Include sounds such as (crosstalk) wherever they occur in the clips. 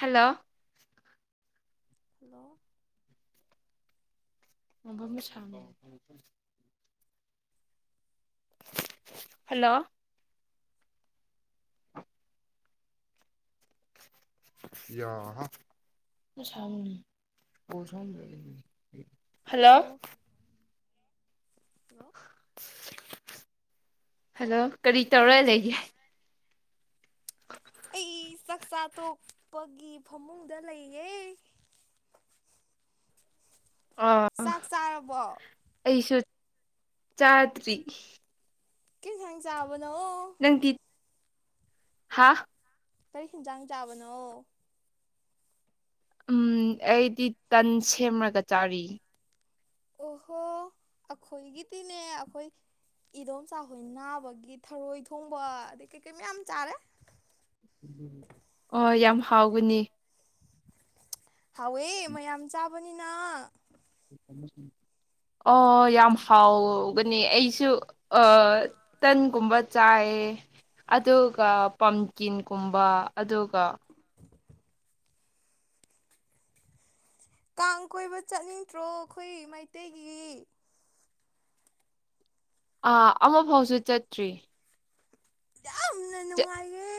Hello hello ꯃꯕ ꯃꯁꯅ hello ꯌꯥ ꯍꯜꯂꯣ ꯍꯜꯂꯣ ꯍꯜꯂꯣ ꯀꯔꯤ ꯇꯧꯔ ꯂꯩꯒꯦ ꯑꯩ ꯆꯥꯛꯆꯥꯥ ꯇꯣꯛꯄꯒꯤ ꯐꯃꯨꯡꯗ ꯂꯩꯌꯦ ꯑꯣ ꯆꯥꯛ ꯆꯥꯔꯕꯣ ꯑꯩꯁꯨ ꯆꯥꯗ꯭ꯔꯤ ꯀꯩ ꯏꯟꯁꯥꯡ ꯆꯥꯕꯅꯣ ꯅꯪꯗꯤ ꯍꯥ ꯀꯔꯤ ꯌꯦꯟꯖꯥꯡ ꯆꯥꯕꯅꯣ ꯎꯝ ꯑꯩꯗꯤ ꯇꯟ ꯁꯦꯝꯔꯒ ꯆꯥꯔꯤ ꯑꯣꯍꯣ ꯑꯩꯈꯣꯏꯒꯤꯗꯤꯅꯦ ꯑꯩꯈꯣꯏ ꯏꯗꯣꯝꯆꯥꯍꯣꯏ ꯅꯥꯕꯒꯤ ꯊꯔꯣꯏ ꯊꯣꯡꯕ ꯑꯗꯩ ꯀꯩꯀꯩ ꯃꯌꯥꯝ ꯆꯥꯔꯦ ꯑꯣ ꯌꯥꯝ ꯍꯥꯎꯒꯅꯤ ꯍꯥꯎꯋꯦ ꯃꯌꯥꯝ ꯆꯥꯕꯅꯤꯅ ꯑꯣ ꯌꯥꯝ ꯍꯥꯎꯒꯅꯤ ꯑꯩꯁꯨ ꯑ ꯇꯟꯒꯨꯝꯕ ꯆꯥꯏ ꯑꯗꯨꯒ ꯄꯝꯀꯤꯟꯒꯨꯝꯕ ꯑꯗꯨꯒ ꯀꯥꯡ ꯀꯣꯏꯕ ꯆꯠꯅꯤꯡꯗ꯭ꯔꯣ ꯑꯩꯈꯣꯏ ꯃꯩꯇꯩꯒꯤ ꯑꯥ ꯑꯃꯐꯥꯎꯁꯨ ꯆꯠꯇ꯭ꯔꯤ ꯌꯥꯝꯅ ꯅꯨꯡꯉꯥꯏꯌꯦ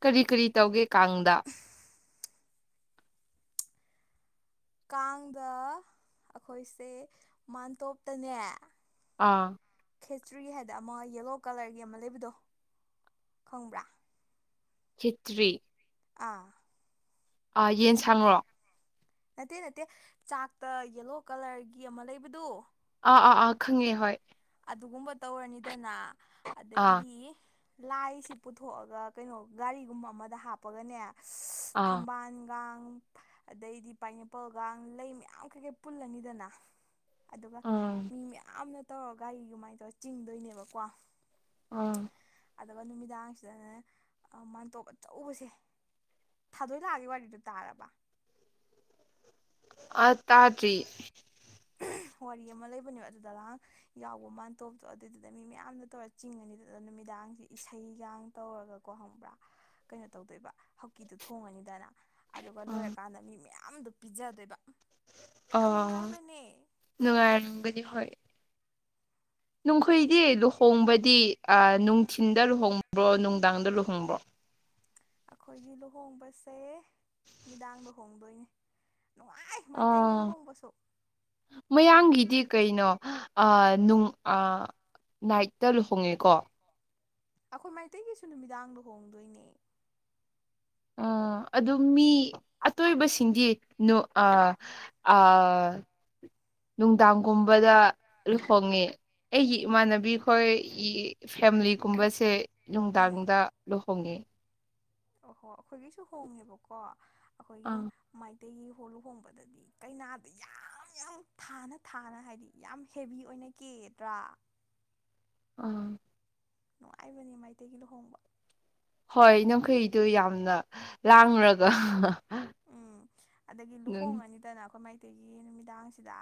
ꯀꯔꯤ ꯀꯔꯤ ꯇꯧꯒꯦ ꯀꯥꯡꯗ ꯀꯥꯡꯗ ꯑꯩꯈꯣꯏꯁꯦ ꯃꯥꯟꯇꯣꯞꯇꯅꯦ ꯑꯥ ꯈꯦꯆꯔꯤ ꯍꯥꯏꯗꯅ ꯑꯃ ꯌꯦꯂꯣ ꯀꯂꯔꯒꯤ ꯑꯃ ꯂꯩꯕꯗꯣ ꯈꯪꯕ꯭ꯔꯥ ꯈꯦꯇ꯭ꯔꯤ ꯑꯥ ꯑꯥ ꯌꯦꯟꯁꯥꯡꯔ‌ꯣ ꯅꯠꯇꯦ ꯅꯠꯇꯦ ꯆꯥꯛꯇ ꯌꯦꯂꯣ ꯀꯂꯔꯒꯤ ꯑꯃ ꯂꯩꯕꯗꯨ ꯑꯥ ꯑꯥ ꯑꯥ ꯈꯪꯉꯦ ꯍꯣꯏ ꯑꯗꯨꯒꯨꯝꯕ ꯇꯧꯔꯅꯤꯗꯅ ꯑꯥ ꯑꯗꯒꯤꯗꯤ ꯂꯥꯏꯁꯤ ꯄꯨꯊꯣꯛꯑꯒ ꯀꯩꯅꯣ ꯒꯥꯔꯤꯒꯨꯝꯕ ꯑꯃꯗ ꯍꯥꯞꯄꯒꯅꯦ ꯑꯁ ꯑꯥ ꯊꯝꯕꯥꯜ ꯒꯥꯡ ꯑꯗꯩꯗꯤ ꯄꯥꯏꯅꯦꯄꯜꯒ ꯂꯩ ꯃꯌꯥꯝ ꯀꯩ ꯀꯩ ꯄꯨꯜꯂꯅꯤꯗꯅ ꯑꯗꯨꯒ ꯑꯥ ꯃꯤ ꯃꯌꯥꯝꯅ ꯇꯧꯔ ꯒꯥꯔꯤ ꯑꯗꯨꯃꯥꯏꯅ ꯇꯧꯔ ꯆꯤꯡꯗꯣꯏꯅꯦꯕꯀꯣ ꯑꯥ ꯑꯗꯨꯒ ꯅꯨꯃꯤꯗꯥꯡꯁꯤꯗꯅꯦ ꯃꯥꯟꯇꯣꯞ ꯑꯆꯧꯕꯁꯦ ꯊꯥꯗꯣꯏꯂꯥꯒꯤ ꯋꯥꯔꯤꯗꯨ ꯇꯥꯔꯕ ꯑ ꯇꯥꯗ꯭ꯔꯤ ꯋꯥꯔꯤ ꯑꯃ ꯂꯩꯕꯅꯦ ꯑꯗꯨꯗꯔ ꯌꯥꯎꯕ ꯃꯥꯟꯇꯣꯞꯇꯣ ꯑꯗꯨꯏꯗꯨꯗ ꯃꯤ ꯃꯌꯥꯝꯅ ꯇꯧꯔ ꯆꯤꯡꯉꯅꯤꯗꯨ ꯅꯨꯃꯤꯗꯥꯡꯁꯦ ꯏꯁꯩꯒ ꯇꯧꯔꯒ ꯀꯣ ꯈꯪꯕ꯭ꯔꯥ ꯀꯩꯅꯣ ꯇꯧꯗꯣꯏꯕ ꯍꯥꯎꯀꯤꯗꯨ ꯊꯣꯡꯉꯅꯤꯗꯅ ꯑꯗꯨꯒ ꯑꯥ ꯂꯣꯏꯔꯀꯥꯟꯗ ꯃꯤ ꯃꯌꯥꯝꯗ‌ꯣ ꯄꯤꯖꯗꯣꯏꯕ ꯌꯥꯝ ꯑꯣ ꯅꯨꯡꯉꯥꯏꯕꯅꯦ ꯅꯨꯡꯉꯥꯏꯔꯝꯒꯅꯤ ꯍꯣꯏ ꯅꯈ‌ꯣꯏꯗꯤ ꯂꯨꯍꯣꯡꯕꯗꯤ ꯑꯥ ꯅꯨꯡꯊꯤꯟꯗ ꯂꯨꯍꯣꯡꯕ꯭ꯔꯣ ꯅꯨꯡꯗꯥꯡꯗ ꯂꯨꯍꯣꯡꯕ꯭ꯔꯣ ꯑꯩꯈꯣꯏꯒꯤ ꯂꯨꯍꯣꯡꯕꯁꯦ ꯅꯨꯃꯤꯗꯥꯡꯗ ꯍꯣꯡꯗꯣꯏꯅꯦ ꯅꯨꯡꯉꯥꯏ ꯃꯩꯇꯩꯒꯤ ꯑꯥ ꯂꯨꯍꯣꯡꯕꯁꯨ ꯃꯌꯥꯡꯒꯤꯗꯤ ꯀꯩꯅꯣ ꯑꯥ ꯅꯨꯡ ꯑꯥ ꯅꯥꯏꯠꯇ ꯂꯨꯍꯣꯡꯉꯦꯀꯣ ꯑꯩꯈꯣꯏ ꯃꯩꯇꯩꯒꯤꯁꯨ ꯅꯨꯃꯤꯗꯥꯡꯗ ꯍꯣꯡꯗꯣꯏꯅꯦ ꯑ ꯑꯗꯨ ꯃꯤ ꯑꯇꯣꯏꯕꯁꯤꯡꯗꯤ ꯅ‌ꯣ ꯑ ꯑ ꯅꯨꯡꯗꯥꯡꯒꯨꯝꯕꯗ ꯂꯨ ꯍꯣꯡꯉꯦ ꯑꯩꯒꯤ ꯏꯃꯥꯟꯅꯕꯤ ꯕꯤꯈꯣꯏ ꯐꯦꯃꯤꯂꯤꯒꯨꯝꯕꯁꯦ ꯎꯝ ꯅꯨꯡꯗꯥꯡꯗ ꯂꯨꯍꯣꯡꯉꯦ ꯑꯣꯍꯣ ꯑꯩꯈꯣꯏꯒꯤꯁꯨ ꯍꯣꯡꯉꯦꯕꯀꯣ ꯑꯩꯈꯣꯏꯒꯤ ꯑꯥ ꯃꯩꯇꯩꯒꯤ ꯍꯣ ꯂꯨꯍꯣꯡꯕꯗꯗꯤ ꯀꯩꯅꯥꯗ ꯌꯥꯝ ꯌꯥꯝ ꯊꯥꯅ ꯊꯥꯅ ꯍꯥꯏꯗꯤ ꯌꯥꯝ ꯍꯦꯕꯤ ꯑꯣꯏꯅꯒꯦꯗ꯭ꯔꯥ ꯑꯥ ꯅꯨꯡꯉꯥꯏꯕꯅꯦ ꯃꯩꯇꯩꯒꯤ ꯂꯨꯍꯣꯡꯕ ꯍꯣꯏ ꯅꯝꯈꯩꯗꯨ ꯌꯥꯝꯅ ꯂꯥꯡꯔꯒ ꯎꯝ ꯑꯗꯒꯤ ꯅꯪ ꯂꯨꯍꯣꯡꯉꯅꯤ ꯇꯅ ꯑꯩꯈꯣꯏ ꯃꯩꯇꯩꯒꯤ ꯅꯨꯃꯤꯗꯥꯡꯁꯤꯗ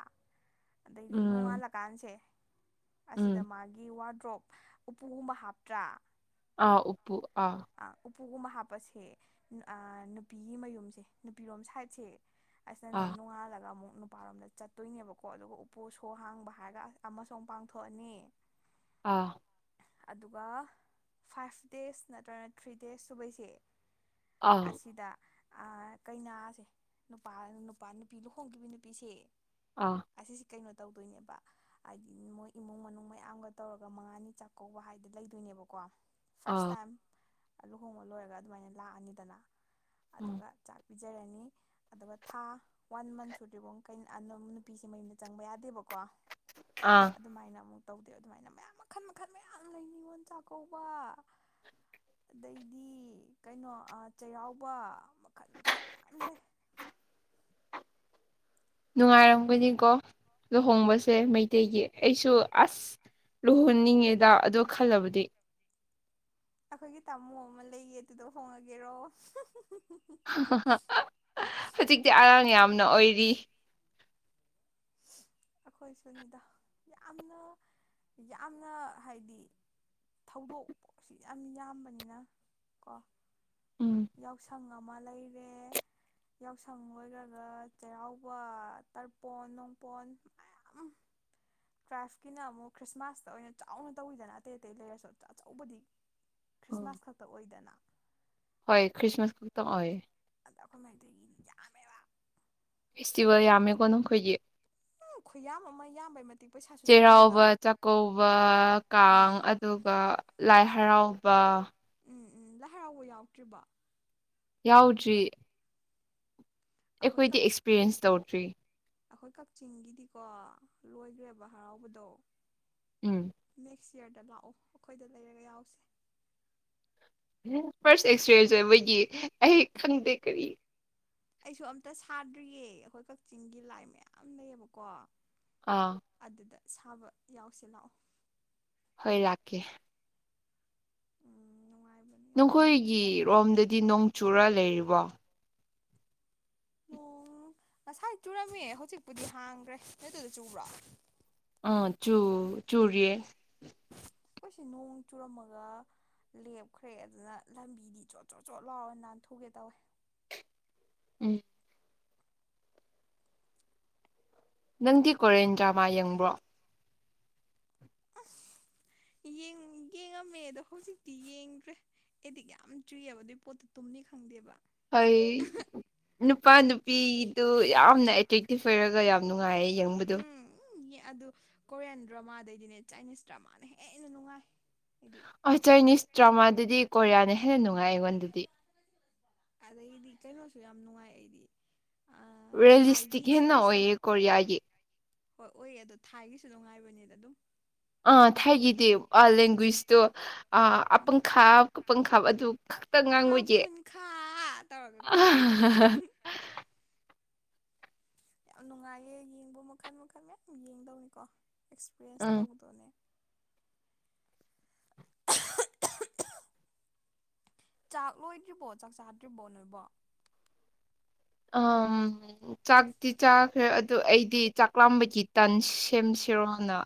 ꯑꯗꯩꯗꯤ ꯎꯝ ꯅꯣꯡꯉꯥꯜꯂꯀꯥꯟꯁꯦ ꯑꯁꯤꯗ ꯎꯝ ꯃꯥꯒꯤ ꯋꯥꯗ꯭ꯔꯣꯞ ꯎꯄꯨꯒꯨꯝ ꯑꯃ ꯍꯥꯞꯇ꯭ꯔꯥ ꯑꯥ ꯎꯄꯨ ꯑꯥ ꯎꯄꯨꯒꯨꯝꯕ ꯍꯥꯞꯄꯁꯦ ꯅꯨꯄꯤꯒꯤ ꯃꯌꯨꯝꯁꯦ ꯅꯨꯄꯤꯔꯣꯝ ꯁꯥꯏꯠꯁꯦ ꯑꯁꯅꯦ ꯑꯥ ꯅꯣꯡꯉꯥꯜꯂꯒ ꯑꯃꯨꯛ ꯅꯨꯄꯥꯔꯣꯝꯗ ꯆꯠꯇꯣꯏꯅꯦꯕꯀꯣ ꯑꯗꯨꯒ ꯎꯄꯨ ꯁꯣ ꯍꯥꯡꯕ ꯍꯥꯏꯔꯒ ꯑꯃꯁꯨ ꯑꯃꯨꯛ ꯄꯥꯡꯊꯣꯛꯑꯅꯤ ꯑꯥ ꯑꯗꯨꯒ ꯐꯥꯏꯚ ꯗꯦꯖ ꯅꯠꯇ꯭ꯔꯒꯅ ꯊ꯭ꯔꯤ ꯗꯦꯖ ꯁꯨꯕꯩꯁꯦ ꯑꯁꯤꯗ ꯀꯩꯅꯥꯁꯦ ꯅꯨꯄꯥ ꯅꯨꯄꯥ ꯅꯨꯄꯤ ꯂꯨꯍꯣꯡꯈꯤꯕ ꯅꯨꯄꯤꯁꯦ ꯑꯥ ꯑꯁꯤꯁꯤ ꯀꯩꯅꯣ ꯇꯧꯗꯣꯏꯅꯦꯕ ꯍꯥꯏꯗꯤ ꯃꯣꯏ ꯏꯃꯨꯡ ꯃꯅꯨꯡ ꯃꯌꯥꯝꯒ ꯇꯧꯔꯒ ꯃꯉꯥꯅꯤ ꯆꯥꯛꯀꯧꯕ ꯍꯥꯏꯗꯤ ꯂꯩꯗꯣꯏꯅꯦꯕꯀꯣ ꯐꯥꯔꯁ ꯑꯥ ꯇꯥꯏꯝ ꯂꯨꯍꯣꯡꯕ ꯂꯣꯏꯔꯒ ꯑꯗꯨꯃꯥꯏꯅ ꯂꯥꯛꯑꯅꯤꯗꯅ ꯎꯝ ꯑꯗꯨꯒ ꯆꯥꯛ ꯄꯤꯖꯔꯅꯤ ꯑꯗꯨꯒ ꯊꯥ ꯋꯥꯟ ꯃꯟ ꯁꯨꯗ꯭ꯔꯤꯐꯣ ꯀ ꯅꯨꯄꯤꯁꯦ ꯃꯌꯨꯝꯗ ꯆꯪꯕ ꯌꯥꯗꯦꯕꯀꯣ ꯑꯥ ꯑꯗꯨꯃꯥꯏꯅ ꯑꯃꯨꯛ ꯇꯧꯗꯦ ꯑꯗꯨꯃꯥꯏꯅ ꯃꯌꯥꯝ ꯃꯈꯜ ꯃꯈꯜ ꯃꯌꯥꯝ ꯂꯩ ꯅꯤꯉꯣꯜ ꯆꯥꯛꯀꯧꯕ ꯑꯗꯩꯗꯤ ꯀꯩꯅꯣ ꯆꯩꯔꯥꯎꯕ ꯃꯈꯜ ꯃꯈꯜ ꯃꯌꯥꯝ ꯂꯩ ꯅꯨꯡꯉꯥꯏꯔꯝꯒꯅꯤꯀꯣ ꯂꯨꯍꯣꯡꯕꯁꯦ ꯃꯩꯇꯩꯒꯤ ꯑꯩꯁꯨ ꯑꯁ ꯂꯨꯍꯣꯡꯅꯤꯡꯉꯦꯗ ꯑꯗꯣ ꯈꯜꯂꯕꯗꯤ ꯑꯩꯈꯣꯏꯒꯤ ꯇꯥꯃꯣ ꯑꯃ ꯂꯩꯌꯦ ꯑꯗꯨꯗꯣ ꯍꯣꯡꯉꯒꯦꯔꯣ ꯍꯧꯖꯤꯛꯇꯤ ꯑꯉꯥꯡ ꯌꯥꯝꯅ ꯑꯣꯏꯔꯤ ꯑꯩꯈꯣꯏꯁꯨꯅꯤꯗ ꯌꯥꯝꯅ ꯌꯥꯝꯅ ꯍꯥꯏꯗꯤ ꯊꯧꯗꯣꯛꯄꯁꯤ ꯌꯥꯝ ꯌꯥꯝꯕꯅꯤꯅ ꯀꯣ ꯎꯝ ꯌꯥꯎꯁꯪ ꯑꯃ ꯂꯩꯔꯦ ꯌꯥꯎꯁꯪ ꯂꯣꯏꯔꯒ ꯆꯩꯔꯥꯎꯕ ꯇꯔꯄꯣꯟ ꯅꯨꯡꯄꯣꯟ ꯃꯌꯥꯝ ꯇ꯭ꯔꯥꯏꯐꯀꯤꯅ ꯑꯃꯨꯛ ꯈ꯭ꯔꯤꯁꯃꯥꯁꯇ ꯑꯣꯏꯅ ꯆꯥꯎꯅ ꯇꯧꯋꯤꯗꯅ ꯑꯇꯩ ꯑꯇꯩ ꯂꯩꯔꯁꯨ ꯑꯆꯧꯕꯗꯤ ꯑꯣ ꯈ꯭ꯔꯤꯁꯃꯥꯁ ꯈꯛꯇ ꯑꯣꯏꯗꯅ ꯍꯣꯏ ꯈ꯭ꯔꯤꯁꯃꯥꯁ ꯈꯨꯛꯇ ꯑꯣꯏ ꯑꯗ ꯑꯩꯈꯣꯏ ꯃꯩꯇꯩꯒꯤꯗꯤ ꯌꯥꯝꯃꯦꯕ ꯐꯦꯁꯇꯤꯚꯦꯜ ꯌꯥꯝꯃꯦꯀꯣ ꯅꯈꯣꯏꯒꯤ ꯎꯝ ꯈꯨꯌꯥꯝ ꯑꯃ ꯌꯥꯝꯕꯩ ꯃꯇꯤꯛ ꯄꯩꯁꯥꯁꯨ ꯆꯠꯂꯤꯅꯤꯗꯣ ꯆꯩꯔꯥꯎꯕ ꯆꯥꯛꯀꯧꯕ ꯀꯥꯡ ꯎꯝ ꯑꯗꯨꯒ ꯂꯥꯏ ꯍꯔꯥꯎꯕ ꯎꯝ ꯎꯝ ꯂꯥꯏ ꯍꯔꯥꯎꯕ ꯌꯥꯎꯛꯇ꯭ꯔꯤꯕ ꯌꯥꯎꯗ꯭ꯔꯤ ꯑꯩꯈꯣꯏ ꯑꯩꯈꯣꯏꯗꯤ ꯀꯛ ꯑꯦꯛꯁꯄꯤꯔꯤꯌꯦꯟꯁ ꯇꯧꯗ꯭ꯔꯤ ꯑꯩꯈꯣꯏ ꯀꯛꯆꯤꯡꯒꯤꯗꯤꯀꯣ ꯂꯣꯏꯈ꯭ꯔꯦꯕ ꯍꯔꯥꯎꯕꯗꯣ ꯎꯝ ꯅꯦꯛꯁ ꯏꯌꯔꯗ ꯂꯥꯛꯑꯣ ꯑꯩꯈꯣꯏꯗ ꯂꯩꯔꯒ ꯌꯥꯎꯁꯦ ꯎ ꯐꯥꯔꯁ ꯑꯦꯛꯁꯔꯦꯁꯦ ꯃꯣꯏꯒꯤ ꯑꯩ ꯈꯪꯗꯦ ꯀꯔꯤ ꯑꯩꯁꯨ ꯑꯝꯇ ꯁꯥꯗ꯭ꯔꯤꯌꯦ ꯑꯩꯈꯣꯏ ꯀꯛꯆꯤꯡꯒꯤ ꯂꯥꯏ ꯃꯌꯥꯝ ꯂꯩꯌꯦꯕꯀꯣ ꯑꯥ ꯑꯗꯨꯗ ꯁꯥꯕ ꯌꯥꯎꯁꯦ ꯂꯥꯛꯑꯣ ꯍꯣꯏ ꯂꯥꯛꯀꯦ ꯎꯝ ꯅꯨꯡꯉꯥꯏꯕꯅꯤ ꯌꯥꯝꯅ ꯅꯈꯣꯏꯒꯤ ꯔꯣꯝꯗꯗꯤ ꯅꯣꯡꯆꯨꯔ ꯂꯩꯔꯤꯕꯣ ꯅꯣꯡ ꯉꯁꯥꯏ ꯆꯨꯔꯝꯃꯦ ꯍꯧꯖꯤꯛꯄꯨꯗꯤ ꯍꯥꯡꯈ꯭ꯔꯦ ꯅꯣꯏꯗꯨꯗ ꯆꯨꯕ꯭ꯔꯣ ꯑ ꯆꯨ ꯆꯨꯔꯤꯌꯦ ꯑꯩꯈꯣꯏꯁꯤ ꯅꯣꯡ ꯆꯨꯔꯝꯃꯒ ꯂꯦꯞꯈ꯭ꯔꯦ ꯑꯗꯨꯅ ꯂꯝꯕꯤꯗꯤ ꯆꯣꯠ ꯆꯣꯠ ꯆꯣꯠ ꯂꯥꯎꯔ ꯅꯥꯟꯊꯨꯒꯦ ꯇꯧꯋꯦ ꯎꯝ ꯅꯪꯗꯤ ꯀꯣꯔꯦꯟ ꯗ꯭ꯔꯃꯥ ꯌꯦꯡꯕ꯭ꯔꯣ ꯑꯁ ꯌꯦꯡ ꯌꯦꯡꯉꯝꯃꯦ ꯑꯗꯣ ꯍꯧꯖꯤꯛꯇꯤ ꯌꯦꯡꯗ꯭ꯔꯦ ꯑꯩꯗꯤꯛ ꯌꯥꯝ ꯆꯨꯏꯌꯦꯕ ꯑꯗꯨꯏ ꯄꯣꯠꯇꯨ ꯇꯨꯝꯅꯤ ꯈꯪꯗꯦꯕ ꯑꯩ ꯅꯨꯄꯥ ꯅꯨꯄꯤꯗꯨ ꯌꯥꯝꯅ ꯑꯦꯇ꯭ꯔꯦꯛꯇꯤꯞ ꯑꯣꯏꯔꯒ ꯌꯥꯝ ꯅꯨꯡꯉꯥꯏꯌꯦ ꯌꯦꯡꯕꯗꯨ ꯎꯝ ꯎ ꯑꯗꯨ ꯀꯣꯔꯤꯌꯥꯟ ꯗ꯭ꯔꯃꯥꯗꯩꯗꯤꯅꯦ ꯆꯥꯏꯅꯤꯁ ꯗ꯭ꯔꯃꯥꯅ ꯍꯦꯟꯅ ꯅꯨꯡꯉꯥꯏ ꯑꯩꯗꯤ ꯑ ꯆꯥꯏꯅꯤꯁ ꯗ꯭ꯔꯃꯥꯗꯨꯗꯤ ꯀꯣꯔꯤꯌꯥꯅ ꯍꯦꯟꯅ ꯅꯨꯡꯉꯥꯏ ꯑꯩꯉꯣꯟꯗꯗꯤ ꯑꯗꯩꯗꯤ ꯀꯩꯅꯣꯁꯨ ꯌꯥꯝ ꯅꯨꯡꯉꯥꯏ ꯑꯩꯗꯤ ꯔꯦꯂꯤꯁꯇꯤꯛ ꯊꯥꯏꯒꯤ ꯍꯦꯟꯅ ꯁꯦꯔꯤꯁꯇꯣ ꯑꯣꯏꯌꯦ ꯀꯣꯔꯤꯌꯥꯒꯤ ꯍꯣꯏ ꯑꯣꯏꯌꯦ ꯑꯗꯣ ꯊꯥꯏꯒꯤꯁꯨ ꯅꯨꯡꯉꯥꯏꯕꯅꯦꯗ ꯑꯗꯨꯝ ꯑꯥ ꯊꯥꯏꯒꯤꯗꯤ ꯂꯦꯡꯒ꯭ꯋꯦꯖꯇꯣ ꯎꯝ ꯑꯄꯪꯈꯥ ꯄꯪꯈꯥꯕ ꯑꯗꯨ ꯈꯥꯎ ꯉꯥꯡꯕꯒꯤ ꯈꯨꯟ ꯈꯥ ꯇꯧꯔꯒꯀꯣ (unintelligible) ꯌꯥꯝ ꯅꯨꯡꯉꯥꯏꯌꯦ ꯌꯦꯡꯕ ꯃꯈꯜ ꯃꯈꯜ ꯃꯌꯥꯝ ꯌꯦꯡꯗꯧꯅꯤꯀꯣ ꯑꯦꯛꯁꯄꯤꯔꯤꯌꯦꯟꯁ ꯎꯝ ꯂꯧꯗꯧꯅꯦ ꯆꯥꯛ ꯂꯣꯏꯗ꯭ꯔꯤꯕꯣ ꯆꯥꯛ ꯆꯥꯗ꯭ꯔꯤꯕꯣ ꯅꯣꯏꯕꯣ ꯑꯝ ꯆꯥꯛꯇꯤ ꯆꯥꯈ꯭ꯔꯦ ꯑꯗꯨ ꯑꯩꯗꯤ ꯆꯥꯛ ꯂꯥꯝꯕꯒꯤ ꯇꯟ ꯁꯦꯝꯁꯤꯔꯣꯅ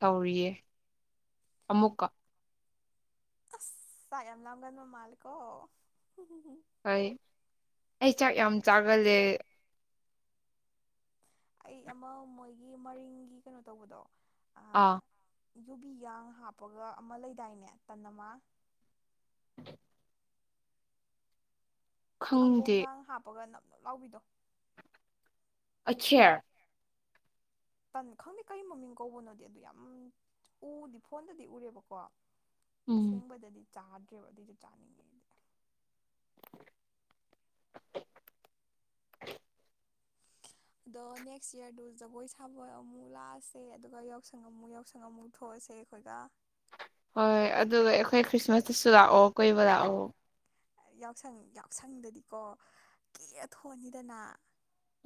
ꯇꯧꯔꯤꯌꯦ ꯑꯃꯨꯛꯀ ꯑꯁ ꯆꯥꯛ ꯂꯥꯝꯒꯟꯕ ꯃꯥꯜꯂꯤꯀꯣ꯫ ꯍꯣꯏ ꯑꯩ ꯆꯥꯛ ꯌꯥꯝ ꯆꯥꯒꯜꯂꯦ꯫ ꯑꯩ ꯑꯃ ꯃꯣꯏꯒꯤ ꯃꯔꯤꯡꯒꯤ ꯀꯩꯅꯣ ꯇꯧꯕꯗꯣ ꯑꯥ ꯌꯨꯕꯤꯒꯥꯡ ꯍꯥꯞꯄꯒ ꯑꯃ ꯂꯩꯗꯥꯏꯅꯦ ꯇꯟ ꯑꯃ꯫ (inaudible) ꯈꯪꯗꯦ ꯁꯪꯒꯣꯝꯒꯥꯡ ꯍꯥꯞꯄꯒ ꯅꯞ ꯅꯞ ꯂꯥꯎꯕꯤꯗꯣ ꯑꯠꯁꯦꯔ ꯇꯟ ꯈꯪꯗꯦ ꯀꯩ ꯃꯃꯤꯡ ꯀꯧꯕꯅꯣꯗꯤ ꯑꯗꯨ ꯌꯥꯝ ꯎꯗꯤ ꯐꯣꯟꯗꯗꯤ ꯎꯔꯦꯕꯀꯣ꯫ ꯎꯝ ꯑꯁꯦꯡꯕꯗꯗꯤ ꯆꯥꯗꯔ꯭ꯤꯌꯦꯕ ꯑꯗꯨꯏꯗꯨ ꯆꯥꯅꯤꯡꯉꯦ ꯑꯩꯗꯤ (inaudible) ꯑꯗꯣ ꯅꯦꯛꯁ ꯌꯥꯔꯗꯨ ꯖꯒꯣꯏ ꯁꯥꯕ ꯑꯃꯨꯛ ꯂꯥꯛꯑꯁꯦ ꯑꯗꯨꯒ ꯌꯥꯎꯁꯪ ꯑꯃꯨꯛ ꯌꯥꯎꯁꯪ ꯑꯃꯨꯛ ꯊꯣꯛꯑꯁꯦ ꯑꯩꯈꯣꯏꯒ ꯍꯣꯏ ꯑꯗꯨꯒ ꯑꯩꯈꯣꯏ ꯈ꯭ꯔꯤꯁꯃꯥꯁꯇꯁꯨ ꯂꯥꯛꯑꯣ ꯀꯣꯏꯕ ꯂꯥꯛꯑꯣ ꯌꯥꯎꯁꯪ ꯌꯥꯎꯁꯪꯗꯗꯤꯀꯣ ꯀꯦꯔ ꯊꯣꯟꯑꯅꯤꯗꯅ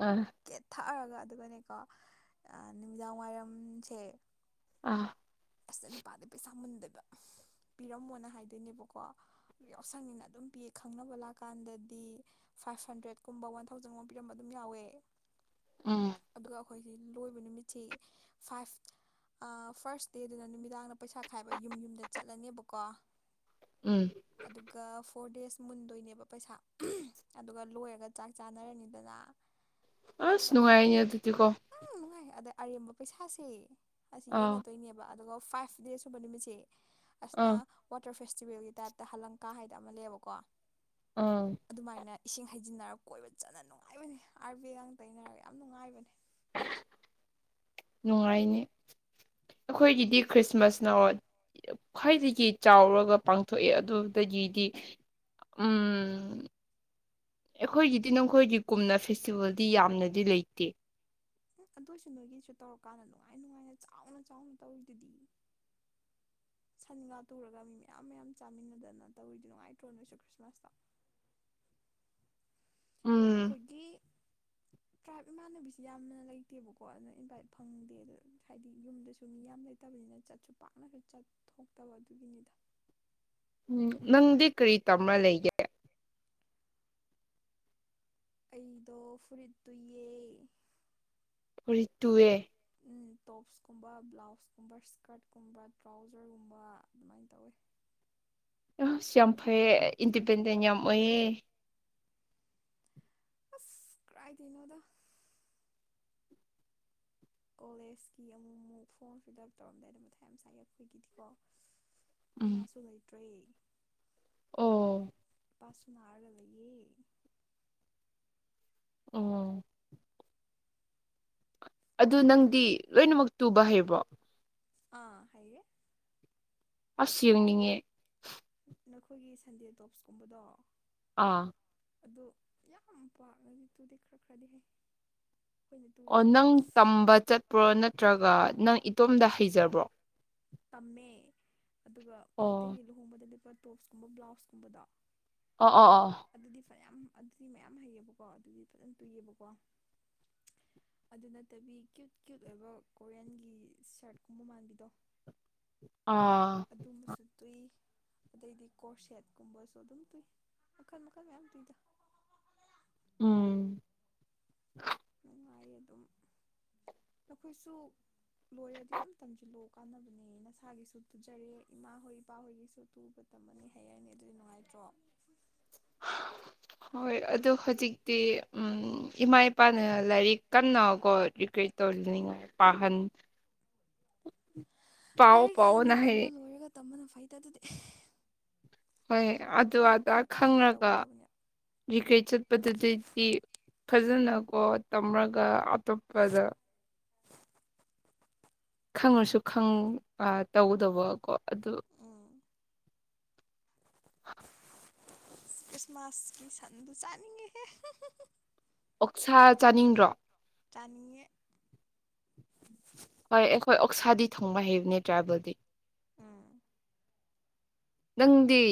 ꯑꯥ ꯀꯦꯊꯔꯒ ꯑꯗꯨꯒꯅꯦꯀꯣ ꯅꯨꯃꯤꯗꯥꯡꯋꯥꯏꯔꯝꯁꯦ ꯑꯥ ꯑꯁ ꯅꯨꯄꯥꯗꯩ ꯄꯩꯁꯥ ꯃꯨꯟꯗꯣꯏꯕ ꯄꯤꯔꯝꯃꯣꯅ ꯍꯥꯏꯗꯣꯏꯅꯦꯕꯀꯣ ꯌꯥꯎꯁꯪꯅꯤꯅ ꯑꯗꯨꯝ ꯄꯤꯌꯦ ꯈꯪꯅꯕ ꯂꯥꯛꯀꯥꯟꯗꯗꯤ ꯐꯥꯏꯚ ꯍꯟꯗ꯭ꯔꯦꯠꯀꯨꯝꯕ ꯋꯥꯟ ꯊꯥꯎꯖꯟꯒꯨꯝꯕ ꯄꯤꯔꯝꯕ ꯑꯗꯨꯝ ꯌꯥꯎꯋꯦ ꯎꯝ ꯑꯗꯨꯒ ꯑꯩꯈꯣꯏꯁꯤ ꯂꯣꯏꯕ ꯅꯨꯃꯤꯠꯁꯤ ꯐꯥꯏꯚ ꯑꯥ ꯐꯥꯔꯁ ꯇꯦꯗꯅ ꯅꯨꯃꯤꯗꯥꯡꯅ ꯄꯩꯁꯥ ꯈꯥꯏꯕ ꯌꯨꯝ ꯌꯨꯝꯗ ꯆꯠꯂꯅꯦꯕꯀꯣ ꯎꯝ ꯑꯗꯨꯒ ꯐꯣꯔ ꯗꯦꯖ ꯃꯨꯟꯗꯣꯏꯅꯦꯕ ꯄꯩꯁꯥ ꯑꯗꯨꯒ ꯂꯣꯏꯔꯒ ꯆꯥꯛ ꯆꯥꯅꯔꯅꯤꯗꯅ ꯑꯁ ꯑꯗꯨꯒ ꯅꯨꯡꯉꯥꯏꯔꯤꯅꯦ ꯑꯗꯨꯗꯤꯀꯣ ꯌꯥꯝ ꯅꯨꯡꯉꯥꯏ ꯑꯗ ꯑꯔꯦꯝꯕ ꯄꯩꯁꯥꯁꯦ ꯑꯁꯤ ꯑꯥ ꯌꯦꯟꯅꯗꯣꯏꯅꯦꯕ ꯑꯗꯨꯒ ꯐꯥꯏꯐ ꯗꯦ ꯁꯨꯕ ꯅꯨꯃꯤꯠꯁꯤ ꯑꯁꯅ ꯑꯥ ꯋꯥꯇꯔ ꯐꯦꯁꯇꯤꯕꯦꯜꯒꯤ ꯇꯥꯏꯞꯇ ꯍꯂꯪꯀꯥ ꯍꯥꯏꯗ ꯑꯃ ꯂꯩꯌꯦꯕꯀꯣ ꯑꯥ ꯑꯗꯨꯃꯥꯏꯅ ꯏꯁꯤꯡ ꯍꯩꯖꯤꯟꯅꯔꯒ ꯀꯣꯏꯕ ꯆꯠꯅ ꯅꯨꯡꯉꯥꯏꯕꯅꯤ ꯑꯥꯔ ꯕꯤꯒ ꯇꯩꯅꯔꯒ ꯌꯥꯝ ꯅꯨꯡꯉꯥꯏꯕꯅꯦ ꯅꯨꯡꯉꯥꯏꯅꯤ ꯎꯝ ꯑꯩꯈꯣꯏꯒꯤꯗꯤ ꯈ꯭ꯔꯤꯁꯃꯥꯁꯅ ꯈ꯭ꯋꯥꯏꯗꯒꯤ ꯆꯥꯎꯔꯒ ꯄꯥꯡꯊꯣꯛꯑꯦ ꯑꯗꯨꯗꯒꯤꯗꯤ ꯎꯝ ꯑꯩꯈꯣꯏꯒꯤꯗꯤ ꯅꯈꯣꯏꯒꯤ ꯀꯨꯝꯅ ꯐꯦꯁꯇꯤꯚꯦꯜꯗꯤ ꯌꯥꯝꯅꯗꯤ ꯂꯩꯇꯦ ꯑꯗꯨꯏꯁꯨ ꯅꯣꯏꯒꯤꯁꯨ ꯇꯧꯔꯀꯥꯟꯗ ꯅꯨꯡꯉꯥꯏ ꯅꯨꯡꯉꯥꯏꯅ ꯆꯥꯎꯅ ꯆꯥꯎꯅ ꯇꯧꯔꯤꯗꯨꯗꯤ ꯁꯟꯒꯥ ꯇꯨꯔꯒ ꯃꯤ ꯃꯌꯥꯝ ꯃꯌꯥꯝ ꯆꯥꯃꯤꯟꯅꯗꯅ ꯇꯧꯔꯤꯗꯤ ꯉꯥꯏꯇ꯭ꯔꯣ ꯅꯣꯏꯁꯨ ꯈ꯭ꯔꯤꯁꯃꯥꯁꯇꯣ ꯎꯝ ꯑꯩꯈꯣꯏꯒꯤ ꯇ꯭ꯔꯥꯏꯞ ꯏꯃꯥꯟꯅꯕꯤꯁꯤ ꯌꯥꯝꯅ ꯂꯩꯇꯦꯕꯀꯣ ꯑꯗꯨꯅ ꯏꯟꯚꯥꯏꯠ ꯐꯪꯗꯦ ꯑ ꯍꯥꯏꯗꯤ ꯌꯨꯝꯗꯁꯨ ꯃꯤ ꯌꯥꯝ ꯂꯩ ꯇꯕꯅꯤꯅ ꯆꯠꯁꯨ ꯄꯥꯛꯅꯁꯨ ꯆꯠꯊꯣꯛꯇꯕ ꯑꯗꯨꯒꯤꯅꯤꯗ ꯎꯝ ꯅꯪꯗꯤ ꯀꯔꯤ ꯇꯝꯃ ꯂꯩꯒꯦ ꯑꯩꯗꯣ ꯐꯨꯔꯤꯠ ꯇꯨꯏꯌꯦ ꯐꯨꯔꯤꯠ ꯇꯨꯏꯌꯦ ꯑꯝ ꯇꯣꯞꯁꯀꯨꯝꯕ ꯕ꯭ꯂꯥꯎꯁꯀꯨꯝꯕ ꯏꯁ꯭ꯀꯔꯠꯀꯨꯝꯕ ꯇ꯭ꯔꯥꯎꯖꯔꯒꯨꯝꯕ ꯑꯗꯨꯃꯥꯏꯅ ꯇꯧꯋꯤ ꯑꯍꯁ ꯌꯥꯝ ꯐꯩꯌꯦ ꯏꯟꯗꯤꯄꯦꯟꯗꯦꯟ ꯌꯥꯝ ꯑꯣꯏꯌꯦ ꯑꯁ ꯀꯔꯥꯏꯗꯩꯅꯣꯗ ꯀꯣꯂꯦꯖꯀꯤ ꯑꯃꯨꯛ ꯑꯃꯨꯛ ꯐꯣꯔꯝ ꯐꯤꯜ ꯎꯞ ꯇꯧꯔꯝꯗꯥꯏꯗ ꯃꯊꯥ ꯌꯥꯝ ꯁꯥꯏꯒꯦ ꯑꯩꯈꯣꯏꯒꯤꯗꯤꯀꯣ ꯎꯝ ꯏꯃꯥꯁꯨ ꯂꯩꯇ꯭ꯔꯦ ꯑꯣ ꯏꯄꯥꯁꯨꯅ ꯅꯥꯔꯒ ꯂꯩꯌꯦ ꯎꯝ ꯑꯗꯨ ꯅꯪꯗꯤ ꯂꯣꯏꯅꯃꯛ ꯇꯨꯕ ꯍꯩꯕ꯭ꯔꯣ ꯑꯥ ꯍꯩꯌꯦ ꯑꯁ ꯌꯦꯡꯅꯤꯡꯉꯦ ꯅ ꯅꯈꯣꯏꯒꯤ ꯁꯟꯗꯦ ꯇꯣꯞꯁꯀꯨꯝꯕꯗꯣ ꯑꯥ ꯑꯗꯣ ꯌꯥꯝ ꯄꯥꯂꯖꯤ ꯇꯨꯗꯤ ꯈꯔ ꯈꯔꯗꯤ ꯍꯩ ꯑꯩꯈꯣꯏꯅ ꯑꯣ ꯇꯨꯔꯤꯁꯤꯅ ꯅꯪ ꯇꯝꯕ ꯆꯠꯄ꯭ꯔꯣ ꯅꯠꯇ꯭ꯔꯒ ꯅꯪ ꯏꯇꯣꯝꯗ ꯍꯩꯖꯕ꯭ꯔꯣ ꯇꯝꯃꯦ ꯑꯗꯨꯒ ꯑꯣ ꯃꯥꯏꯇꯩꯒꯤ ꯂꯨꯍꯣꯡꯕꯗ ꯂꯄꯥ ꯇꯣꯞꯁꯀꯨꯝꯕ ꯕ꯭ꯂꯥꯎꯁꯀꯨꯝꯕꯗꯣ ꯑꯣ ꯑꯣ ꯑꯣ ꯑꯗꯨꯗꯤ ꯐꯅꯌꯥꯝ ꯑꯗꯨꯗꯤ ꯃꯌꯥꯝ ꯍꯩꯌꯦꯕꯀꯣ ꯑꯗꯨꯗꯤ ꯐꯖꯅ ꯇꯨꯏꯌꯦꯕꯀꯣ ꯑꯗꯨ ꯅꯠꯇꯕꯤ ꯀ꯭ꯌꯨꯠ ꯀ꯭ꯌꯨꯠ ꯑꯣꯏꯕ ꯀꯣꯔꯤꯌꯥꯟꯒꯤ ꯁꯥꯔꯠꯀꯨꯝꯕ ꯃꯥꯟꯕꯤꯗꯣ ꯑꯥ ꯑꯗꯨꯝꯕꯁꯨ ꯇꯨꯏ ꯑꯗꯩꯗꯤ ꯀꯣꯔꯁꯦꯠꯀꯨꯝꯕꯁꯨ ꯑꯗꯨꯝ ꯇꯨꯏ ꯃꯈꯜ ꯃꯈꯜ ꯃꯌꯥꯝ ꯇꯨꯏꯗ ꯎꯝ ꯅꯨꯡꯉꯥꯏꯌꯦ ꯑꯗꯨꯝ ꯅꯈꯣꯏꯁꯨ ꯂꯣꯏꯔꯗꯤ ꯑꯝ ꯇꯝꯖꯤꯜꯂꯣ ꯀꯥꯟꯅꯕꯅꯦ ꯅꯁꯥꯒꯤꯁꯨ ꯇꯨꯖꯔꯦ ꯏꯃꯥ ꯍꯣꯏ ꯏꯄꯥꯍꯣꯏꯒꯤꯁꯨ ꯇꯨꯕ ꯇꯝꯃꯅꯤ ꯍꯩꯔꯅꯤ ꯑꯗꯨꯗꯤ ꯅꯨꯡꯉꯥꯏꯇ꯭ꯔꯣ ꯍ ꯍꯣꯏ ꯑꯗꯣ ꯍꯧꯖꯤꯛꯇꯤ ꯑꯝ ꯏꯃꯥ ꯏꯄꯥꯅ ꯂꯥꯏꯔꯤꯛ ꯀꯟꯅꯀꯣ ꯔꯤꯒ꯭ꯔꯦꯠ ꯇꯧꯗꯅꯤꯡꯉꯥꯏ ꯄꯍꯟ ꯄꯥꯎꯋꯣ ꯂꯥꯏꯔꯤꯛ ꯍꯥꯟꯅ ꯄꯥꯎꯋꯣꯅ ꯇꯝꯕ ꯍꯥꯏꯌꯦ ꯂꯣꯏꯔꯒ ꯇꯝꯕꯅ ꯐꯩꯗ ꯑꯗꯨꯗꯤ ꯍꯣꯏ ꯑꯗꯨ ꯁꯨꯝ ꯑꯗꯥ ꯐ꯭ꯔꯤ ꯇꯥꯏꯝꯗ ꯈꯪꯂꯒ ꯇꯧꯒꯗꯕꯅꯦ ꯔꯤꯒ꯭ꯔꯦꯠ ꯆꯠꯄꯗꯨꯗꯗꯤ ꯐꯖꯅꯀꯣ ꯇꯝꯔꯒ ꯑꯇꯣꯞꯄꯗ ꯈꯪꯂꯁꯨ ꯈꯪ ꯇꯧꯗꯕꯀꯣ ꯑꯗꯨ ꯎꯝ ꯈ꯭ꯔꯤꯁꯃꯥꯁꯀꯤ ꯁꯟꯗꯨ ꯆꯥꯅꯤꯡꯉꯦꯍꯦ ꯑꯣꯛꯁꯥ ꯆꯥꯅꯤꯡꯗ꯭ꯔꯣ ꯆꯥꯅꯤꯡꯉꯦ ꯍꯣꯏ ꯑꯩꯈꯣꯏ ꯑꯣꯛꯁꯥꯗꯤ ꯊꯣꯡꯕ ꯍꯩꯕꯅꯦ ꯇ꯭ꯔꯥꯏꯕꯦꯜꯗꯤ ꯎꯝ ꯅꯪꯗꯤ